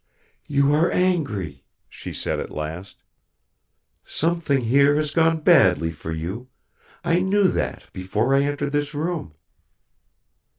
"You are angry," she said at last. "Something here has gone badly for you; I knew that before I entered this room."